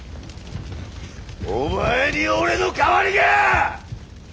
お前に俺の代わりが！